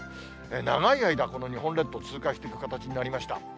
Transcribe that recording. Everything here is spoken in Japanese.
長い間、この日本列島を通過していく形になりました。